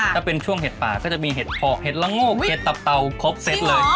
ถ้าเป็นช่วงเห็ดป่าก็จะมีเห็ดพอกเห็ดละโงกเห็ดตับเตาครบเซตเลย